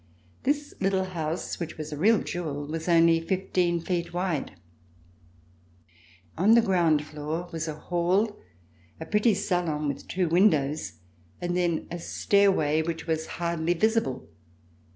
This little house which was a real jewel was only fifteen feet wide. LIFE AT RICHMOND On the ground floor was a liall, a pretty salon with two windows and then a stairway which was hardly visible.